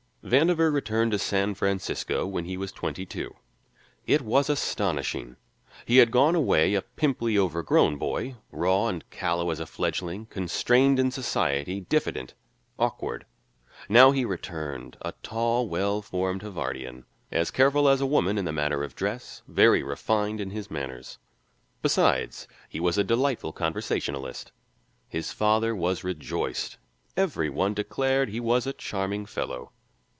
Vandover returned to San Francisco when he was twenty two. It was astonishing; he had gone away a pimply, overgrown boy, raw and callow as a fledgling, constrained in society, diffident, awkward. Now he returned, a tall, well formed Harvardian, as careful as a woman in the matter of dress, very refined in his manners. Besides, he was a delightful conversationalist. His father was rejoiced; every one declared he was a charming fellow.